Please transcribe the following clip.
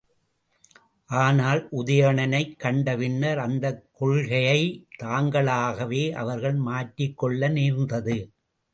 ஆனால், உதயணனைக் கண்ட பின்னர், அந்தக் கொள்கையைத் தாங்களாகவே அவர்கள் மாற்றிக் கொள்ள நேர்ந்தது.